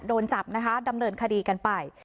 โดนจับนะคะดำเนินคดีกันไป